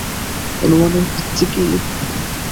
অনুমানের ভিত্তি কি?